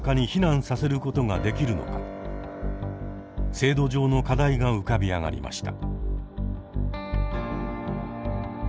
制度上の課題が浮かび上がりました。